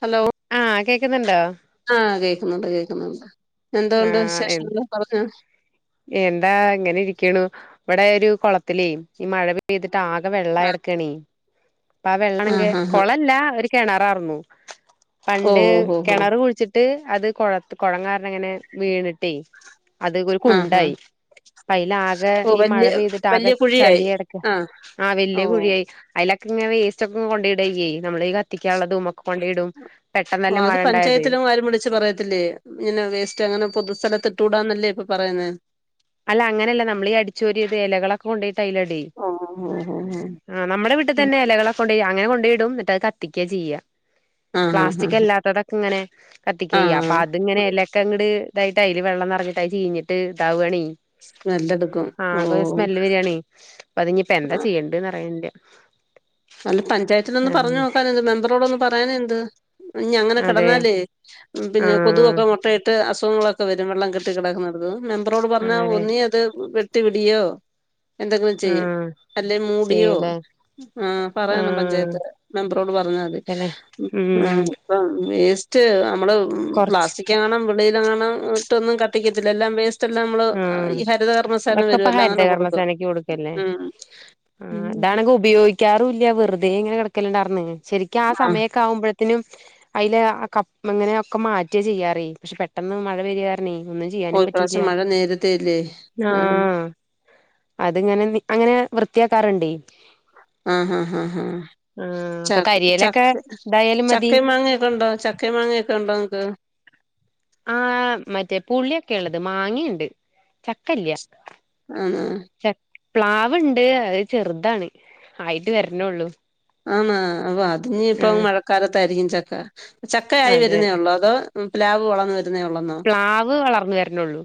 Hello- ആഹ് കേക്കുന്നുണ്ടോ? ആഹ് കേക്കുന്നുണ്ട് കേൾക്കുന്നുണ്ട്. ആഹ് എം. എന്താ ഇങ്ങനെ ഇരിക്കുണു. ഇവിടെ ഒരു കുളത്തിലേ ഈ മഴ പെയ്തിട്ട് ആ വെള്ള എടുക്കണീ. അപ്പ ആഹ് വെള്ളണെങ്കിൽ ഹാ ഹാ കുളല്ല ഒരു കിണറാർന്നു ഓ പണ്ട് ഓ ഹോ ഹോ കിണറ് കുഴിച്ചി ഇട്ട് അത് കൊഴ കുളങ്ങാരന ഇങ്ങനെ വീണിട്ടേ അത് ഒരു ആഹ് ഹാ കുണ്ടായി. അയ്ല്ല ആകെ ഓ ഈ മഴ വല്യ പെയ്തിട്ട് ആകെ വല്യ കുഴിയായി ചളിടക്ക ആഹ് ആഹ് ഓ വല്യ കുഴിയായി അതിലൊക്കെ ഇങ്ങനെ വേസ്റ്റ് ഒക്കെ കൊണ്ടയിടല്ലെ നമ്മള് ത്തിക്കാനുള്ളതുമ ഒക്കെ കൊണ്ട ഇടും പെട്ടെന്നല്ലെ മഴ ഉണ്ടായത്. ഇപ്പാരുംവിളിച്ച് പറയത്തില്ലേ? ഇങ്ങനെ വേസ്റ്റ് അങ്ങനെ പൊതുസ്ഥലത്തി ഇട്ടുകൂടാന്നല്ലേ ഇപ്പൊ പറയുന്ന. അല്ല അങ്ങനെയല്ല നമ്മളീഈ അടിച്ചുപരിയ ഇലകളൊക്കെ കൊണ്ടോയിട്ട്അയ്ലട ഓ ഓ ഓ ആഹ് നമ്മ വീട്ടിൽ ഓ തന്നെ ഇലകളെ കൊണ്ട് അങ്ങനെ കൊണ്ടു ഇടും ഇങ്ങട്ട് അത് കത്തിക്ക ചെയ്യ- ആഹ് ആഹ് പ്ലാസ്റ്റിക് ആഹ് അല്ലാത്തതൊക്കെ ഇങ്ങനെ കത്തിക്ക ചെയ്യ അപ്പ ആഹ് അത് ഇങ്ങനെ എലക്കെങ്ങ്ട് ഇതായിട്ട് അയ്ല് വെള്ളം നറഞ്ഞിട്ട് അത് ചീനീട്ട് ഇതാവാണെ നല്ലതും- ആഹ് അത്. സ്മെല്ല് വരിയാണി അപ്പൊ അത്പ്പ എന്താ ചെയ്യണ്ടറിയില്ല. അല്ല പഞ്ചായത്തിനൊന്ന് പറഞ്ഞു നോക്കാനുണ്ട് മെമ്പറോട ഒന്ന് പറയാനു എന്ത്? ഇനി അങ്ങനെ അതെ കിടന്നാലേ പിന്നെ ആഹ് കൊതുകൊക്കെ മുട്ടയിട്ട് അസുഖങ്ങളൊക്കെ വരും വെള്ളം കി [unintelligible] മെമ്പറോട് പറഞ്ഞാ അങ്ങനെ ഒന്നി അത് വെട്ടി വിടിയോ എന്തെങ്കിലും ആഹ് ചെയ്യ്അല്ലെ മൂടിയോ- ചെയ്യൂലേ ആഹ് പറയണം ആഹ് പഞ്ചായത്ത് മെമ്പറോട് പറഞ്ഞാൽ മതി അല്ലെ ഉം ആഹ് ഇ വേസ്റ്റ് നമ്മള് കൊറച്ച് പ്ലാസ്റ്റിക് [unintelligible] വെളിയിൽ കത്തികത്തില്ല എല്ലാം വസ് ല്ലാം നമ്മള് ആഹ് ഈ ഹരിതകർമ്മ സേന അതൊക്കെ ഇപ്പ വരുല്ലാം അങ്ങനെ കൊടുക്കും ഉം. ആഹ് ഉം അതാണെങ്കി ഉപയോഗിക്കാറുമില്ല. വെറുതെ ഇങ്ങനെ കിക്കലുണ്ടായിന്ന് ശരിക്കും ആഹ് സമയൊക്കെ ആകുമ്പോ ത്തിനും അതിൽ ക അങ്ങനെയൊക്കെ മാറ്റിയ ചെയ്യാറ പക്ഷെ പെട്ടെന്ന് മഴ വരി ഒന്നും ഓ ചെയ്യാനും പറ്റില്ല. ഇപ്രാവശ്യം [unintelligible] ആഹ് അതിങ്ങനെ അങ്ങനെ വൃത്തിയാക്കാറുണ്ടെ ആഹ് ഹഹ ഹഹ് ച ഒക്കെ കരിയേലൊക്കെ ചക്ക ഇതായാലും ചക്ക മതി മാങ്ങൊക്കെ ഉണ്ടോ ചക്ക മാങ്ങയൊക്കെ ഉണ്ടോ നിങ്ങക്ക്? ആഹ് മറ്റേ പുള്ളിയൊക്കെ ഉള്ളത് മാങ്ങയുണ്ട് ചക്കല്ല. ആഹ് ച പ്ലാവ്ണ്ട് അത് ചെറുതാണ് ആയിട്ട് വരണേള്ളു. ആണ അത് ഇപ്പ മഴക്കാലത്തായിരിക്കും ചക്ക ചക്ക ആയി അതെ വരുന്നേള്ളോ അതോ? പ്ലാവ് വളർന്ന വരുന്നേള്ളന്നോ? പ്ലാവ് വളർന്ന വരണള്ളൂ.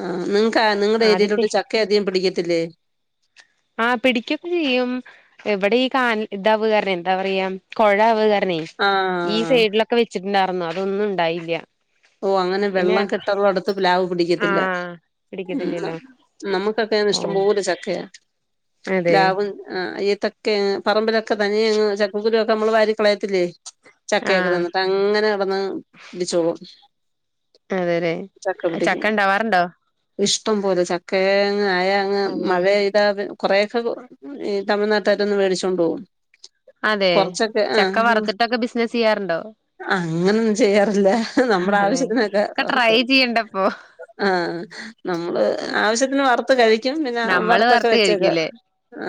ആഹ് നിങ്ങക്ക് നിങ്ങളുടെ ആദ്യത്തെ ഏരയയിലോട്ട് ചക്ക അധികം പിടിക്കത്തില്ലേ? ആഹ പിടിക്കൊക്കെ ചെയ്യും എവിടെ [unintelligible] എന്താ പറയാ കുഴ അവകരണേ ഈ ആഹ് സൈഡിലൊക്കെ വെച്ചിട്ടുണ്ടായിന്നോ അതൊന്നും ഉണ്ടായില്ല- ഓ അങ്ങനെ പിന്നെ വെള്ളം കെട്ടറുള്ള അടുത്ത് പ്ലാവ് പിടിക്കത്തില്ല. ആഹ് ഉം പിടിക്കത്തില്ലല്ലോ നമുക്കൊക്കെ ഓ ഇഷ്ടം പോലെ ചക്കയാ അതെ പ്ലാവും ഈത്ത ക്കെ പറമ്പിലൊക്കെ തനിയെ അങ്ങ് ചക്കക്കുരു ഒക്കെ നമ്മള് വാരിക്കളയത്തില്ലേ. ചക്കയൊക്കെ ആഹ് തിന്നിട്ട് അങ്ങനെ കിടന്ന് പിടിച്ചോളും അതെല്ലേ ചക്ക പിടിക്ക ഇഷ്ടം പോലെ ചക്ക ആയാ അതെ മഴെയ്താ കൊറെക്കെ തമിഴ്നാട്ടാര് വെന്ന് മേടിച്ചോണ്ട് പോകും. അതെ കൊറച്ചൊക്കെ ചക്ക ആഹ് വറുത്തിട്ടൊക്കെ ബിസിനസ് ചെയ്യാറുണ്ടോ? അങ്ങനൊന്നും ചെയ്യാറില്ല നമ്മുടെ അതെ ആവശ്യത്തിനൊക്കെ ഒക്കെ ട്രൈ വർക്കാ ചെയ്യണ്ടപ്പോ ആഹ് നമ്മള് ആവശ്യത്തിന് വറുത്ത് കഴി നമ്മള് വറുത്ത് കയിക്കൂല്ലേ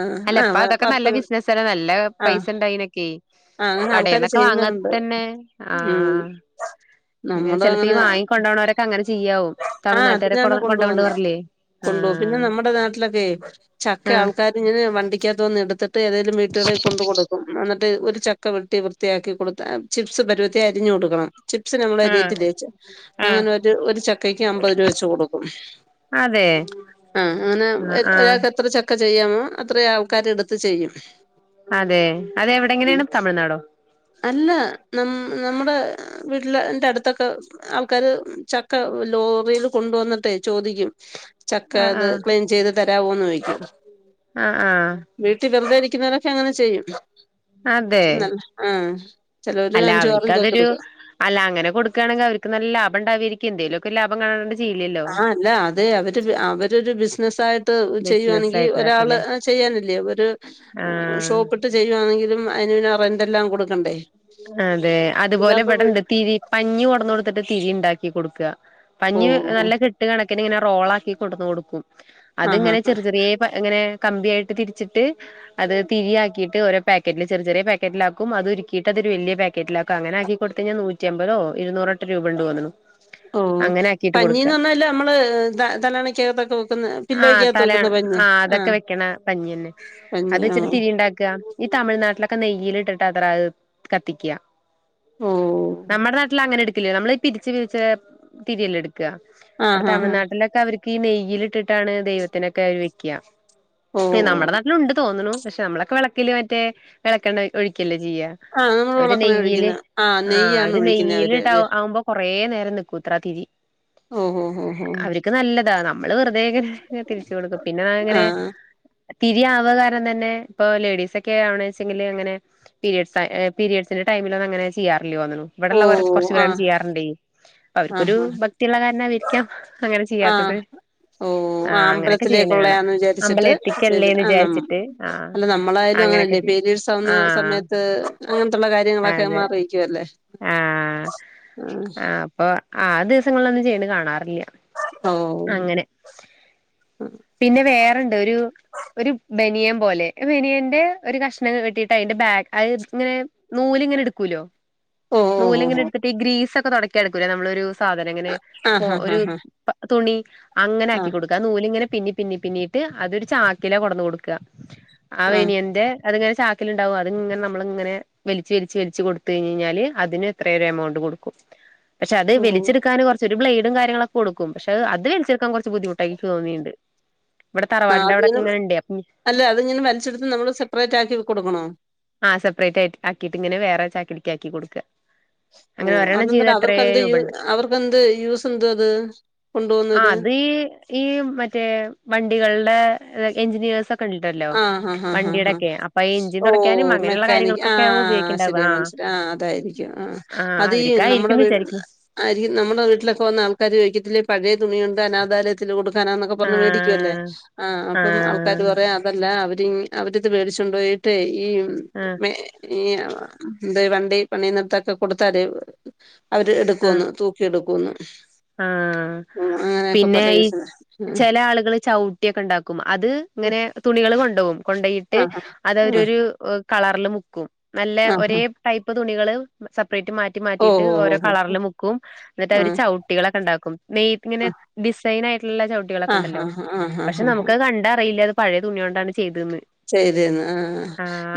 ആഹ് അല്ല ആഹ് ഇപ്പൊതൊക്കെ നല്ല വറുത്ത് ബിസിനസല്ലേ നല്ല പൈസ ആഹ് ഇണ്ടായ്ന് ഈ ആഹ് അങ്ങനെ ആൾക്കാര് കടേന്നൊക്കെ വാങ്ങ ചെയ്യുന്നവരുണ്ട് തന്നെ ഉം ആഹ് അങ്ങനെ ചെലപ്പോ ഈ വാങ്ങി കൊണ്ടോണോരൊക്കെ അങ്ങനെ ചെയ്യാവും തമിഴ്നാട്ടോരെക്കെ കൊണ്ട് കൊണ്ടോവും പറഞ്ഞില്ലേ കൊണ്ടോം പിന്നെ നമ്മുടെ നാട്ടിലൊക്കെ ചക്കെ ആഹ് ആൾക്കാർ ഇങ്ങനെ വണ്ടിക്കാത്ത് വന്ന് എടുത്തിട്ട് ഏതേലും വീട്ടുകളെ കൊണ്ട് കൊടുക്കും എന്നിട്ട് ഒരു ചക്ക വെട്ടി വൃത്തിയാക്കി കൊടുത്താ ചിപ്സ് പരുവത്തിൽ അരിഞ്ഞു കൊടുക്കണം ചിപ്സിന് ആഹ് ലേച്ച ആഹ് അങ്ങനെ ഒരു ഒരു ചക്കക്ക് അമ്പത് രൂപ വെച്ച് കൊടുക്കും അതെ ആഹ് അങ്ങനെ ആഹ് ആഹ് ഒരാൾക്ക് എത്ര ചക്ക ചെയ്യാമോ അത്രെ ആൾക്കാര് എടുത്ത് ചെയ്യും അതെ അതെവിടെങ്ങനെയാണ് തമിഴ്നാടോ? അല്ല ന നമ്മട വീട്ടില എന്റെ അടു ത്തൊക്കെ ആൾക്കാര് ചക്ക ലോറിയിൽ കൊണ്ടുവന്നിട്ടേ ചോദിക്കും ചക്ക ആഹ് ആത് ആഹ് ക്ലീൻ ചെയ്ത് തരാവോന്ന് ചോദിക്കും ആഹ് ആഹ് വീട്ടിൽ വെറുതെരിക്കുന്നവരൊക്കെ അങ്ങനെ ചെയ്യും അതെ എന്നലും ആഹ് ചെലോര് അല്ല അഞ്ചും ആറും ചക്ക അവർക്കതൊരു എടുക്കും അല്ല അങ്ങനെ കൊടുക്കാണെങ്കി അവിക്ക് നല്ല ലാഭം ഇണ്ടാവേരിക്കും എന്തേലുംക്കെ ലാഭം കാണാണ്ട് ചെയ്യില്ലല്ലോ ആ അല്ല അതെ അവര് അവരു ബിസിനസായിട്ട് ബിസിനസ് ചെയ്യാണെങ്കിൽ ഒരാള് ആയിട്ടതൊക്കെല്ലേ ചെയ്യാനില്ലേ അതൊര് ആഹ് ഷോപ്പിട്ട് ചെയ്യുവാണെങ്കിലും അയന് പിന്നാ റെന്റ് എല്ലാം കൊടുക്കണ്ടേ അതെ അതുപോലെ ഇതാവുമ്പോ വീ ഇവിടെണ്ട് തിരി പഞ്ഞി കൊണ്ടന്ന് കൊടുത്തിട്ട് തിരി ഉണ്ടാക്കി കൊടുക്ക പഞ്ഞി ഓഹ് ഓഹ് നല്ല കെട്ട് കണക്കിന് ഇങ്ങനെ റോളാക്കി കൊടുന്ന് കൊടുക്കും അത് ആഹ് ഇങ്ങനെ ചെറി ആഹ് ചെറിയ പഴ് ഇങ്ങനെ കമ്പിയായിട്ട് തിരിച്ചിട്ട് അത് തിരി ആക്കിയിട്ട് ഓരോ പാക്കറ്റിൽ ചെറിയ ചെറിയ പാക്കറ്റിലാക്കും അതുരു ന്ന്ട്ടത് വെല്യോരു പേക്കറ്റിലാക്കും അങ്ങനാക്കി കൊടുത്ത് കഴിഞ്ഞാ നൂറ്റി അമ്പതോ ഇരുന്നൂറട്ടെ രൂപ ഇണ്ട്ന്ന് തോന്നുണു ഓഹ് അങ്ങനെ ആക്കിട്ട് കൊടുക്ക പഞ്ഞീന്ന് പറഞ്ഞാല് ശമ്മള് തലേണാക്കാത്തൊക്കെ വെക്കുന്ന ആഹ് പില്ലോയ്ക്കകത്ത് തലാ വെക്കുന്ന പഞ്ഞി ആതൊക്കെ ആഹ് വെക്കണ പഞ്ഞില്ലെ പഞ്ഞി അതെച്ചിട്ട് ആഹ് തിരിണ്ടാക്കി ക്ക ഈ തമിഴ്നാട്ടിലൊക്കെ നെയ്യിലിട്ടിട്ടാത്രെ അത് കത്തിക്ക ഓഹ് നമ്മടെ നാട്ടിലങ്ങനെ എടുക്കില്ല നമ്മള് ഈ പിരിച്ച് പിരിച്ച തിരിയല്ലേ എടുക്ക ക്ക ഇവിടെ ആഹ് ആഹ് തമിഴ്നാട്ടിലൊക്കെ അവർക്ക് നെയ്യിലിട്ടിട്ടാണ് ദൈവത്തിനൊക്കെ അവര് വെയ്ക്ക ഉം ഓഹ് നമ്മടെ നാട്ടിലുണ്ട് തോന്നുണു പക്ഷെ നമ്മളൊക്കെ വിളക്കില് മറ്റേ വെളക്കെണ്ണ ഒഴിക്കല്ലേ ചെയ്യ ആഹ് നമ്മള് അവര് വെളക്കണെ നെയ്യില് ഒഴിക്കുന്ന ആഹ് ആ നെയ്യാണ് അവര് ഒഴിക്കുന്നെ അവര് നെയ്യലിടാ ആവുമ്പം കൊറേ നേരം നിക്കൂത്രെ ആ തിരി ഓഹ് ഓഹ് ഓഹ് ഓഹ് അവർക്ക് നല്ലതാണ് നമ്മള് വെറുതേങ്ങനെ തിരിച്ചു കൊടുക്കും പിന്നെങ്ങനെ ആഹ് തിരിയാവകാരണം തന്നെ ഇപ്പൊ ലേഡീസൊക്കെ ആവണച്ചെങ്കിൽ ഇങ്ങനെ പീരീഡ്സ് പീരീഡ്സിന്റെ ടൈമിലൊന്നങ്ങനെ ചെയ്യാറില്ല്യോന്നുണു ഇവിടെള്ള ഓഹ് കൊറച്ച് ആഹ് പേരങ്ങനെ ചെയ്യാറിണ്ടേ ആഹ് അവർക്കൊരു ആഹ് ഭക്തിയുള്ള കാരണമായിരിക്കാം അങ്ങനെ ചെയ്യാത്തത് ആഹ് ഓ ആഹ് അങ്ങനെയൊക്കെ ചെയ്യണ കാണാം അമ്പലത്തിലേക്കുള്ളയാന്ന് വിചാരിച്ചിട്ട് ചെയ്തി അമ്പലത്തിക്കല്ലെന്ന് ആഹ് നം വിചാരിച്ചിട്ട് ആഹ് അല്ല നമ്മളായാലും അങ്ങനൊക്കെ ചെ ആഹ് അങ്ങൻത്തുള്ള കാര്യം അതെ ആഹ് ആഹ് പ്പൊ ആ ദിവസങ്ങളിലൊന്നും ചെയ്യ്ന്ന കാണാറില്ല ഓഹ് അങ്ങനെ പിന്നെ വേറെണ്ടൊരു ഒരു ബെനിയൻ പോലെ ആ ബെനിയന്റെ ഒരു കഷ്ണം വെട്ടിയിട്ട് അയിന്റെ ബേക്ക്‌ അയ് ഇങ്ങനെ നൂലിങ്ങനെ എടുക്കൂലൊ ഓ ഓ ഓ നൂലങ്ങനെ ഓ എടുത്തിട്ട് ഗ്രീസൊക്കെ തൊട യ്ക്കാൻ എടുക്കൂലെ നമ്മളൊരു സാധനങ്ങനെ സ്പോ ആഹ് ആഹ് ഒരു ആഹ് തുണി അങ്ങനെ ആക്കി ആഹ് കൊടു ക്കാ ആ നൂലിങ്ങനെ പിന്നി പിന്നി പിന്നീട്ട് അതൊരു ചാക്കില കൊണ്ടന്ന് കൊട്ക്ക ആ ആഹ് ആഹ് ബനിയന്റെ അതിങ്ങനെ ചാക്കില്ണ്ടാവും അതിങ്ങനെ നമ്മള്ങ്ങനെ വലിച്ച് വലിച്ച് വലിച്ച് കൊടുത്ത് ക ഴിഞ്ഞ് കയിഞ്ഞാല് അതിന് ഇത്രെരെ എമൗണ്ട് കൊടുക്കും പക്ഷെ അത് ഓ വലിച്ചെടുക്കൻ കൊറച്ച് ഒരു ബ്ലഡും കാര്യങ്ങളൊക്കെ കൊടുക്കും പക്ഷെ അത് വലിച്ചെടുക്കൻ കൊറച്ച് ബുദ്ധിമുട്ടായി ഇന്ക്ക് തോന്നിട്ട്ണ്ട്. ഇവടെ ആഹ് തറവാടിന്റെ അതിങ്ങനെ അവിടെക്കെങ്ങനെണ്ടേ അപ്പോ അല്ല അതിങ്ങനെ വലിച്ചെടുത്ത് നമ്മള് സെപ്പറേറ്റ് ആക്കി കൊടുക്കണോ? ആഹ് സെപ്പറേറ്റ് ആയി ആക്കിട്ടിങ്ങനെ വേറെ ചാക്കിൽക്കാക്കി കൊടുക്കാ ഓഹ് അതെന്തിനാ അവർക്കെന്ത് യൂ രൂപണ്ട് അവർക്കെന്ത് യൂസ് എന്തുവാ അത് കൊണ്ട് പോകുന്നത് ഈയ്യ് ഈയ്യ് മറ്റേ വണ്ടികളുടെ എഞ്ചിനീയേഴ്സൊ ആഹ് ആഹ് ആഹ് ആ ഹ് ഈ എഞ്ചിൻ തുടയ്ക്കാനും ഓഹ് മെ അങ്ങനെയുള്ള ക്കാനിക്ക് കാര്യങ്ങൾക്കൊക്കെ ആഹ് ഉപയോഗിക്കണ്ടാവ ശെരി ആ മനസ്സില ആ അതായിരിക്കും ആഹ് ആ അതീ നമ്മുടെ അവർക്കായിരിക്കുംന്ന് വിചാരിക്കുന്നു വീടുകളില് ആരിം നമ്മുടെ വീട്ടിലൊക്കെ വന്ന ആൾക്കാര് ചോദിക്കത്തില്ലേ പഴയ തുണിയുണ്ടോ അനാഥാലയ ത്തില് കൊടുക്കാനന്നൊക്കെ ആ പറഞ്ഞ് മേടിക്കുവല്ലേ ആഹ് ആ അപ്പം ആൾക്കാര് പറയാ ല്ല അവരി അവരിത് മേടിച്ചൊണ്ടോയിട്ടെ ഈ ആ ഈ ആഹ് എന്ത് വണ്ടി പണി ത്തൊക്കെ കൊടുത്താല് അവര് ആ എടുക്കുവോന്ന് തൂ ക്കി എടുക്കൂന്ന്, ആ അങ്ങനെയൊക്കെ പല യൂസ് പലെ ആളുകള് ചൗ ട്ടിയൊക്കെ ഇണ്ടാക്കും അത് ഇങ്ങനെ തുണികള് കൊണ്ടോവും കൊണ്ടോയിട്ട് ആഹ് ആഹ് അതവരോരു കളറില് മുക്കും നല്ല ആഹ് ഒരേ ആഹ് ടൈപ്പ് തുണികള് സെപ്പറേറ്റ് മാറ്റി ഓ യിട്ട് ഓ ഓരോ ഓ ഓ കളറില് മുക്കും എന്നിട്ട് അവര് ചൗ ട്ടിയൊക്കെ ഇണ്ടാക്കും നെയ് ഇങ്ങനെ ഡിസൈനായിട്ടുള്ള ചവിട്ടികളൊക്കെ ആഹ് ഇണ്ടല്ലോ ആഹ് ആഹ് പക്ഷെ ആഹ് ആഹ് നമുക്കത് കണ്ടറിയില്ല അത് പഴയ തുണിയോണ്ടാണ് ചെയ്തേന്ന് ചെയ്തേന്ന് ആഹ്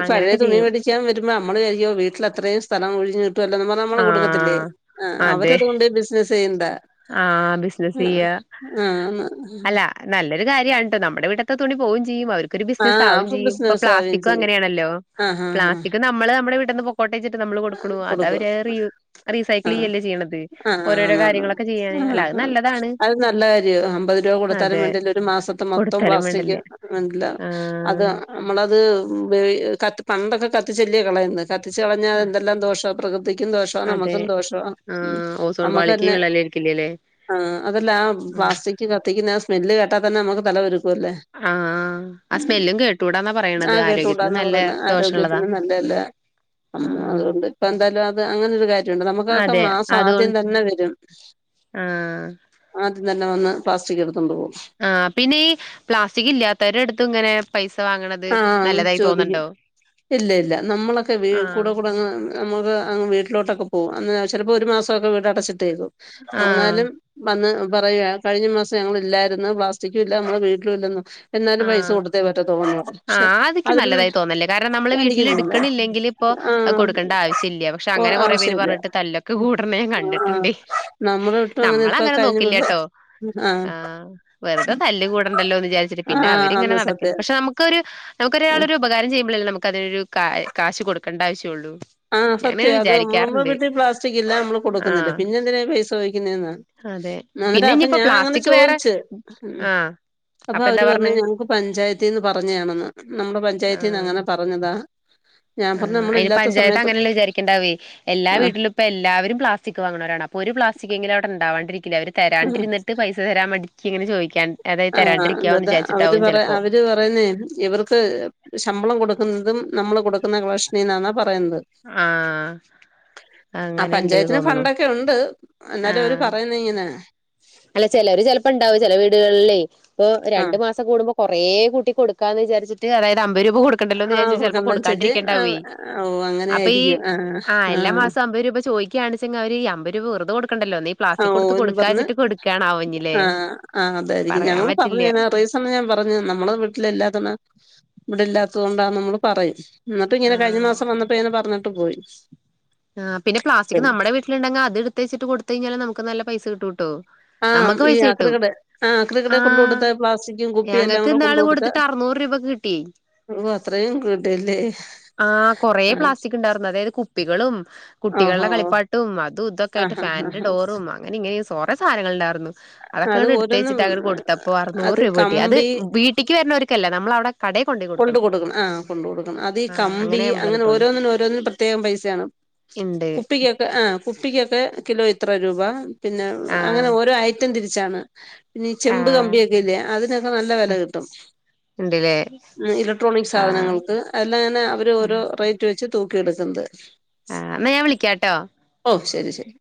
ഈ പഴയ ചെയ്യും തുണിമേടി ക്കാൻ വരുമ്പോ നമ്മള് വിചാരിക്കും വീട്ടിലത്രയും സ്ഥലം ഒഴിഞ്ഞിട്ടുല്ലോ നമ്മ നമ്മള് കൊടുക്കത്തില്ലേ ആഹ് ആഹ് അതെ അവരതുകൊണ്ട് ബിസിനസ് ചെയ്യണ്ടാ ആഹ് ബിസിനസ് ആഹ് ആഹ് ആഹ് അത് നല്ലൊരു കാര്യാണ് ട്ടോ നമ്മുടെ വീട്ടത്തെ തുണി പോവും ചെയ്യും അവർ ക്കൊരു ആഹ് ബിസിനസ്സാവും അവർക്ക് ചെയ്യും. ഇപ്പൊ ബിസിനസ് ആവുകയും പ്ലാസ്റ്റിക്കും ചെയ്യും അങ്ങനെയാണല്ലോ ആഹ് ആഹ് ആഹ് പ്ലാസ്റ്റിക് നമ്മള് നമ്മുടെ വീട്ട്ന്ന് പോ പോട്ടേ വിചാരിച്ചിട്ട് നമ്മള് കൊടുക്കുണു കൊടുക്കും അതവര് റീ യൂസ് റീസൈക്കിൾ ആഹ് ചെയ്യല്ലേ ചെയ്യ്ണത് ആഹ് ഓരോരോ ആന്നാന്ന് കാര്യങ്ങളൊ ചെയ്യാന് അല്ല ആഹ് അത് ആഹ് നല്ലതാണ്. അത് നല്ല കാര്യാ അമ്പത് രൂപ കൊടുത്താലും അതെ വേണ്ടില്ല ഒരു മാസത്തെ മൊത്തം കൊടുത്താലും പ്ലാസ്ടിക് വേണ്ടില്ല അത് നല്ലതാ അത് ആഹ് അമ്മളത് ഉപ ക പണ്ടൊക്കെ കത്തിച്ചല്ലേ കളയുന്നേ കത്തിച്ച് കളഞ്ഞാൽ ആഹ് എന്തെല്ലാം ദോഷ പ്രകൃതിക്കും ദോഷവാ അതെ നമ്മുക്കും ദോഷോവാ ഹ്മ്മ് ആഹ് ഓസോൺ പാളിക്ക് നമ്മുക്കന്നെ വിള്ളലേൽക്കില്ലല്ലേ ആഹ് അതെല്ലാ ആ ഉം പ്ലാസ്റ്റിക് കത്തിക്കുന്ന ആ സ്മെല്ല് കേട്ടാ തന്നെ നമുക്ക് തല പെരുക്കുല്ലേ ആഹ് ആഹ് ആ സ്മെല്ലും കേട്ടുടാന്നാ ആ പറയ്ണത് ആരോഗ്യത്തിന് കേട്ടൂടാന്നാ നല്ല പറയുന്നെ ദോഷതാ ആരോഗ്യത്തിന് നല്ലതല്ല അമ്മ ആഹ് അതുകൊണ്ട് ഇപ്പന്തായാലും അത് അങ്ങനെ ഒരു കാര്യമുണ്ട് നമുക്കൊക്കെ അതെ മാസം ആദ്യം അതുകൊണ്ട് തന്നെ വരും. ആഹ് ആദ്യം തന്നെ വന്ന് പ്ലാസ്റ്റിക് എടുത്തൊണ്ട് പോകും. ആഹ് പിന്നെ ഈ പ്ലാസ്റ്റിക് ഇല്ലാത്തവരുടട്ത്തും ഇങ്ങനെ പൈസ വാകുങ്ങ്ണത് ആ നല്ലതായി ചോദിക്കും തോന്ന്ണ്ടോ? ഇല്ല ഇല്ല, നമ്മളൊക്കെ വീ കൂടക്കൂ അപ്പങ്ങ് നമുക്ക് വീട്ടിലോട്ടൊക്കെ പോകും. അന്ന് ചെലപ്പോ ഒരു മാസമൊക്കെ വീട് അടച്ചിട്ടേക്കും ആഹ് എന്നാലും വന്ന് പറയ കഴിഞ്ഞ മാസം ഞങ്ങള് ഇല്ലായിരുന്ന് പ്ലാസ്റ്റിക്കും ഇല്ല നമ്മള് വീട്ടിലും ഇല്ലെന്ന് എന്നാലും പൈസ ആഹ്, കൊടുത്തേ പറ്റത്തോളെന്ന് പറയും പക്ഷെ ആഹ് അതിക്ക് അതിന് നല്ലതായി തോന്നല്ല കാരണം നമ്മള് വീട്ടില് ചിന്തിക്കുന്നില്ല ഇട്ക്ക്ണില്ലെങ്കില് അപ്പൊ അത് ആഹ് കൊടുക്കേണ്ടാവശ്യല്ല. പക്ഷെ ഇപ്പൊ അങ്ങനെ കൊറേ പേര് ആവശ്യല്ല പറഞ്ഞിട്ട് തല്ലൊക്കെ കൂട്ണെ ഞാൻ ആഹ് ആഹ് കണ്ടിട്ടുണ്ടേ. നമ്മുടെ വീട്ടിലും അങ്ങനെ ഇപ്പൊ ന്നമ്മളങ്ങനെ കഴിഞ്ഞ ദിവസം നോക്കില്ല്യാട്ടോ. ആഹ് ആ വെർതേ തല്ല് കൂടണ്ടല്ലോന്ന് ചാര്ച്ചി പിന്നെ ആഹ് അവരിങ്ങനെ അന്ന് നടക്കല്ലേ സത്യം പക്ഷെ നമുക്കൊരു നമുക്കൊരാളൊരു ഉപകാരം ചെയ്യുമ്പളല്ലേ നമുക്ക് അതൊരു കാശ് കൊടുക്കണ്ട ആവശ്യള്ളൂ. ആ ഞാനങ്ങനെ സത്യം അത് അമ്മള് വിചാരിക്കാറുണ്ട് വീട്ടി പ്ലാസ്റ്റികില്ല അമ്മള് ആ കൊടുക്കുന്നില്ല പിന്നെ എന്തിനാ പൈസയ്ക്കുന്നെന്ന. അതെ ന്നേരം പിന്നെ അപ്പ ഇനിയിപ്പോ ഞാ അങ്ങനെ പ്ലാസ്റ്റിക് വേറെ ചോയ്ച്ച് ഉം ആ അപ്പൊ അവര് എന്താ പർ ഞ്ഞ് പറഞ്ഞേ ഞക്ക് പഞ്ചായത്തീന്ന് പറഞ്ഞെയാണെന്ന് നമ്മടെ പഞ്ചായത്തീന്നങ്ങനെ പറഞ്ഞതാ? ഞാൻ ആ പറഞ്ഞു നമ്മള് അയ്ന് ഇല്ലാത്ത പഞ്ചായത്ത് സമയത്ത് അങ്ങനെല്ല വിചാരിക്ക്ണ്ടാവേയ് എല്ലാ ആഹ് വീട്ട്ലും ഇപ്പ എല്ലാവരും പ്ലാസ്റ്റിക് വാങ്ങ്ണോരാണ് അപ്പൊ ഒരു പ്ലാസ്റ്റികെങ്കിലും അവ്ടെണ്ടാവാണ്ടിരിക്കില്ല അവര് ആഹ് തരാണ്ടിര്ന്ന്ട്ട് പൈസ തരാൻ മടിച്ചിങ്ങനെ ചോയ്ക്കാൻ അതായത് തരാണ്ടിരിക്ക്യോവും ന്നിചാര്ച്ച്ട്ടാവും ചെലപ്പോ. ഇവര് പറയുന്നേ ഇവർക്ക് ശമ്പളം കൊടുക്ക്ന്നതും നമ്മള് കൊടുക്കുന്ന കളക്ഷനീന്നാന്നാ പറയ്ന്ന്ത്. ആഹ്. ആഹ് അങ്ങനെണ്ട് പഞ്ചായത്തില് തോന്നണു ഫണ്ടൊക്കെ ഉണ്ട് എന്നാലും അവര് ആഹ് പറയുന്നെ ഇങ്ങനെ. അല്ല ചെലര് ചെലപ്പണ്ടാവും ചെല വീട്കൾലെ ഇപ്പൊ ആ രണ്ടു മാസം കൂടുമ്പോ കൊറേ കൂട്ടി കൊട്ക്കാന്ന് വിചാരിച്ചിട്ട് അതായത് അമ്പത് രൂപ കൊട് ആ ക്കണ്ടല്ലോന്നിചാരാച്ച് ചെൽപ്പോം കണ്ടം ചൊല്ലി ആ കൊട്ക്കാണ്ടിര്ക്ക്ണ്ടാവ്വെ ഓ അങ്ങനെ അപ്പൊ ഈ ആയിരിക്കും ആ എല്ലാ മാസും അമ്പത് രൂപ ചോയ് ക്ക്യാണിച്ചെങ്കെ അവര് അമ്പത് രൂപ വെർതെ കൊട്ക്കണ്ടല്ലോ എന്തേലും പ്ലാസ്റ്റിക്കൊട്ത്ത് കൊട് വന്ന് ആ അതായിരിക്കും പറയാൻ ഞങ്ങള് പറ്റില്ല പർഞ്ഞ്ങ്ങനെ റൈസ് അന്ന് ഞാൻ പർഞ്ഞ് നമ്മള് വീട്ടിലില്ലാത്തെന്നാ ഇവിടല്ലാത്തത് കൊണ്ടാ നമ്മള് പറയും. ഇന്നട്ട്ങ്ങനെ കഴിഞ്ഞ ആഹ് മാസം വന്നപ്പിങ്ങനെ പർഞ്ഞിട്ട് പോയി. ആ പിന്നെ പ്ലാസ്റ്റിക് നമ്മടെ വീട്ട്ല്ണ്ടെങ്ക അത്ട്ത്തെച്ച്ട്ട് കൊട് ത്തയ്ഞ്ഞാല് നമുക്ക് നല്ല പൈസ കിട്ടൂട്ടോ. ആ നമ്മക്ക് ഈ പൈസ ആക്രി കിട്ടും കട ആക്രി ആ കടയിൽ കൊണ്ട് കൊടുത്ത പ്ലാസ്റ്റിക്കും കുപ്പിയും എല്ലാം ഞങ്ങക്ക് കൂടെ ഇന്നാള് കൊട്ത്തിട്ട് അർനൂറ് രൂപ കിട്ടി. ഓഹ് അത്രയും കിട്ടീല്ലേ ആ. ണ്ടാർന്ന് അതായത് കുപ്പികളും കുട്ടികൾടെ ഓഹോ കളിപ്പാട്ടും അതും ആ ഇതൊക്ക്യായിട്ട് ഹാ ഹാ ഫാന്റെ ഡോറും അങ്ങനിങ്ങനിം കൊറേ സാനങ്ങള്ണ്ടാർന്നു. അത് ഓരോന്നും അതൊക്കെങ്ങട്ട്ട്ത്തെച്ചിട്ടങ്ങട്ട് കൊട്ത്തപ്പൊ അറുന്നൂറ് അത് രൂപ കിട്ടി അത് കമ്പി വീട്ടിക്ക് വെര്ന്നോര്ക്കല്ല നമ്മളവ്ടെ കൊണ്ട്കൊട്ക്ക്ന്ന ആ കൊണ്ട് കൊണ്ട്ക്ക്ന്ന അതീ ആഹ് കമ്പി നമ്മള് അങ്ങനെ കിട്ടുള്ളൂ ഓരോന്നിനും ഓരോന്നിനും പ്രത്യേകം പൈസയാണ്. ഇണ്ട് കുപ്പിക്കൊക്കെ ആ കുപ്പിക്കൊക്കെ കിലോ ഇത്ര രൂപ. പിന്നെ അങ്ങനെ ആഹ് ഓരോ ഐറ്റം തിരിച്ചാണ്. പിന്നീ ചെമ്പ് ആഹ് കമ്പിയൊക്കെ ഇല്ലേ അതിനൊക്കെ നല്ല വെല കിട്ടും. ണ്ട്ലേ. ഇലക്ട്രോണിക് സാധനങ്ങൾക്ക് എല്ലാങ്ങനെ അവര് ഓരോ റേറ്റ് വെച്ച് തൂക്കിയെട്ക്ക്ന്ന്ത്. ആ ന്നാ ഞാൻ വിളിക്ക്യാട്ടോ. ഓ ശെരി ശെരി.